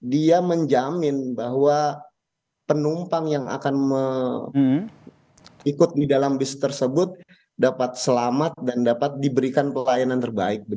dia menjamin bahwa penumpang yang akan ikut di dalam bis tersebut dapat selamat dan dapat diberikan pelayanan terbaik